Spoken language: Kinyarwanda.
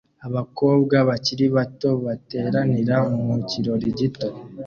Abakobwa bakiri bato bateranira mu kirori gito